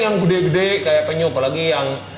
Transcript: yang gede gede kayak penyu apalagi yang